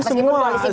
meskipun polisi besar